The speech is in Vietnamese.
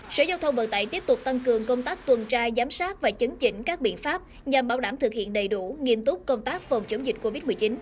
sở giao thông vận tải tiếp tục tăng cường công tác tuần tra giám sát và chấn chỉnh các biện pháp nhằm bảo đảm thực hiện đầy đủ nghiêm túc công tác phòng chống dịch covid một mươi chín